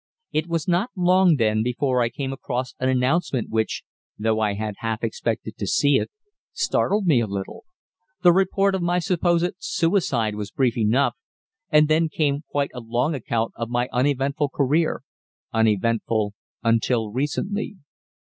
It was not long, then, before I came across an announcement which, though I had half expected to see it, startled me a little. The report of my supposed suicide was brief enough, and then came quite a long account of my uneventful career uneventful until recently.